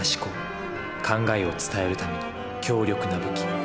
考えを伝えるための強力な武器。